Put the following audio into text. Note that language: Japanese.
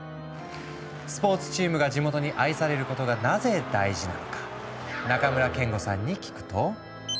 スポーツチームが地元に愛されることがなぜ大事なのか中村憲剛さんに聞くと。